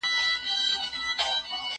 زه اوږده وخت مينه څرګندوم وم؟